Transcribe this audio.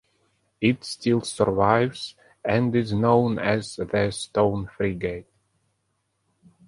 It still survives, and is known as the Stone Frigate.